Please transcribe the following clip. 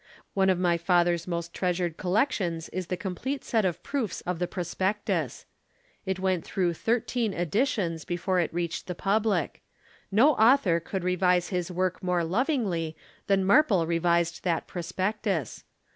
One of my father's most treasured collections is the complete set of proofs of the prospectus. It went through thirteen editions before it reached the public; no author could revise his book more lovingly than Marple revised that prospectus.